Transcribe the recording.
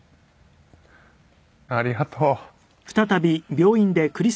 ありがとう。